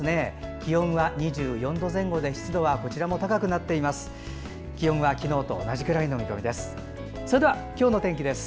気温は２４度前後で湿度はこちらも高くなっています。